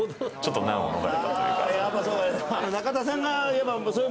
やっぱそうね。